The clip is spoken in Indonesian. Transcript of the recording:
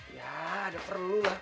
ya udah perlu lah